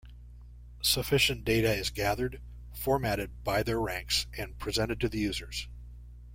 Sufficient data is gathered, formatted by their ranks and presented to the users.